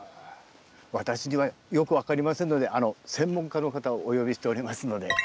私にはよく分かりませんので専門家の方をお呼びしておりますので。